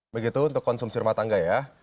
begitu untuk konsumsi rumah tangga ya